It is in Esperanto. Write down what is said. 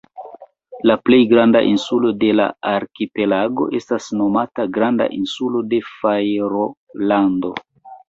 La plej granda insulo de la arkipelago estas nomata Granda Insulo de Fajrolando.